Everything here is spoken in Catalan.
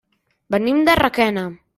Venim de Requena.